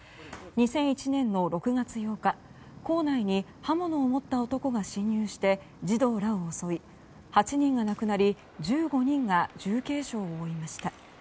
２００１年の６月８日校内に刃物を持った男が侵入して児童らを襲い、８人が亡くなり１５人が重軽傷を負いました。